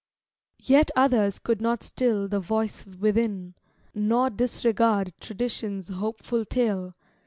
Yet others could not still the voice within, Nor disregard tradition's hopeful tale.